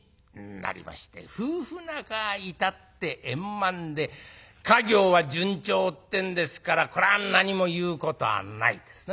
夫婦仲は至って円満で稼業は順調ってんですからこりゃ何も言うことはないですね。